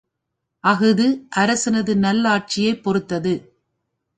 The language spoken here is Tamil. அஃது அரசனது நல் ஆட்சியைப் பொறுத்தது.